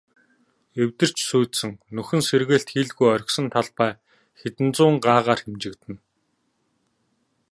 Эвдэрч сүйдсэн, нөхөн сэргээлт хийлгүй орхисон талбай хэдэн зуун гагаар хэмжигдэнэ.